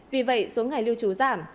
vì vậy số ngày lưu trú giảm